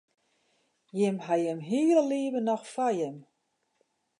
Jimme hawwe jimme hiele libben noch foar jimme.